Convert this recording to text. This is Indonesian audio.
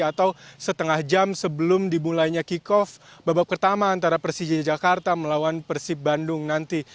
atau setengah jam sebelum dimulainya kick off babak pertama antara persija jakarta melawan persib bandung nanti